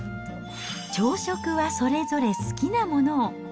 朝食はそれぞれ好きなものを。